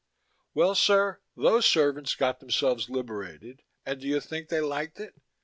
Well, sir, those servants got themselves liberated, and do you think they liked it?